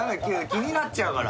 気になっちゃうから。